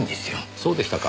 そうでしたか。